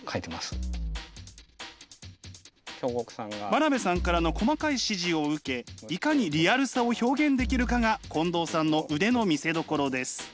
真鍋さんからの細かい指示を受けいかにリアルさを表現できるかが近藤さんの腕の見せどころです。